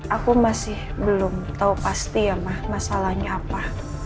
aku masih belum tahu pasti ya masalahnya apa